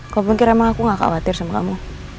kau pikir emang aku gak khawatir sama kamu